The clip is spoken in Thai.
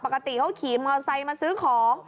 ปกติเขาขี่มอเตอร์ไซค์มาซื้อของ